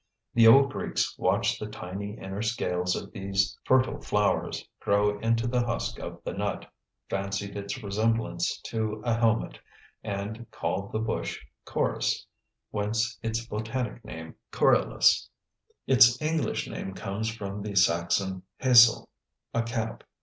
The old Greeks watched the tiny inner scales of these fertile flowers grow into the husk of the nut, fancied its resemblance to a helmet, and called the bush corys; whence its botanic name corylus. Its English name comes from the Saxon haesle, a cap.